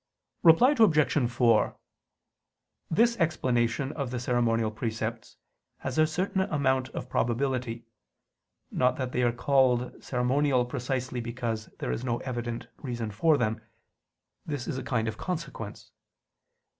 Reply Obj. 4: This explanation of the ceremonial precepts has a certain amount of probability: not that they are called ceremonial precisely because there is no evident reason for them; this is a kind of consequence.